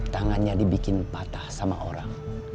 tangannya dibikin patah sama orang